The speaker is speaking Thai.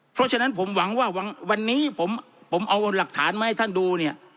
เพราะฉะนั้นผมหวังว่าวันนี้ผมเอาหลักฐานมาให้ท่านดูเนี่ย